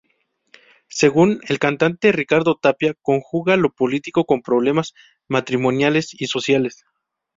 Según el cantante Ricardo Tapia "conjuga lo político con problemas matrimoniales y sociales.